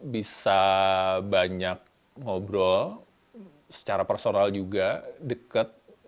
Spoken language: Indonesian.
bisa banyak ngobrol secara personal juga deket